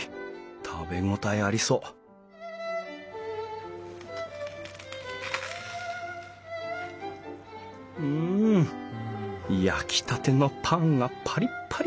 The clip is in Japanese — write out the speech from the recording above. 食べ応えありそううん焼きたてのパンがパリッパリ！